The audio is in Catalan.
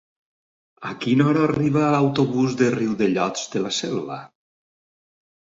A quina hora arriba l'autobús de Riudellots de la Selva?